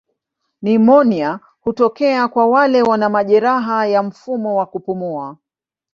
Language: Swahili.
Nimonia hutokea kwa wale wana majeraha kwa mfumo wa kupumua.